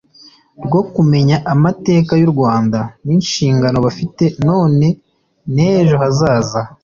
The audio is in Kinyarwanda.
Rwo kumenya amateka y u rwanda n inshingano bafite none n ejo hazaza